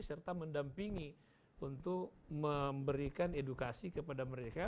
serta mendampingi untuk memberikan edukasi kepada mereka